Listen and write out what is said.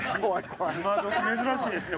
今どき珍しいですね。